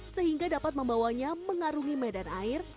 sehingga dapat membawanya mengarungi medan air